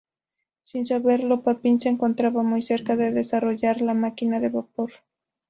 Sin saberlo, Papin se encontraba muy cerca de desarrollar la máquina de vapor.